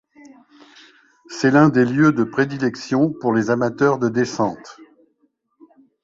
C'est l'un des lieux de prédilection pour les amateurs de descente.